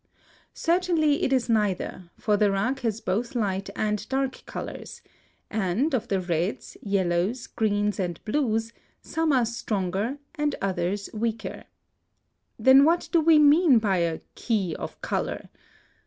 (152) Certainly it is neither, for the rug has both light and dark colors; and, of the reds, yellows, greens, and blues, some are stronger and others weaker. Then what do we mean by a key of color?